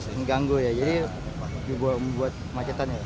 mengganggu ya jadi membuat macetan ya